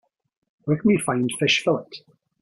Where can we find fish fillet?